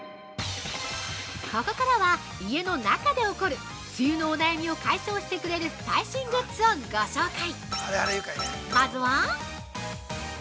ここからは、家の中で起こる梅雨のお悩みを解消してくれる最新グッズをご紹介。